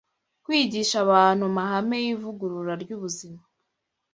Kwigisha abantu amahame y’ivugurura ry’ubuzima